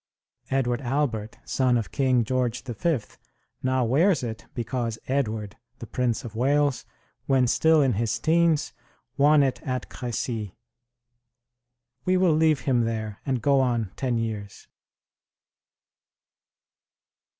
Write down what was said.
Edward Albert, son of King George V, now wears it because Edward, the Prince of Wales, when still in his teens, won it at Crecy. We will leave him there, and go on ten years.